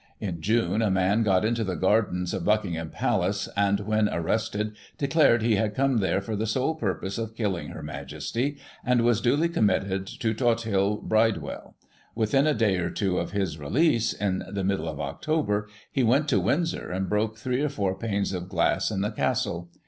In June a man got into the gardens of Buckingham Palace, and, when ar. ^ rested, declared he had come there for the sole purpose of killing Her Majesty, and was duly committed to Tothill Bridfe well. Within a day or two of his release, in the middle df October, he went to Windsor and broke three or four panes of glass in the Castle.